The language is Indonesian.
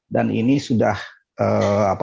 dan ini masalah besar juga